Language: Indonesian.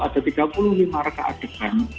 ada tiga puluh lima reka adegan